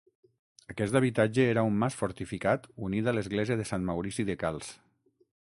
Aquest habitatge era un mas fortificat unit a l'església de Sant Maurici de Calç.